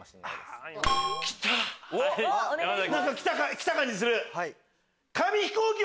きた感じする！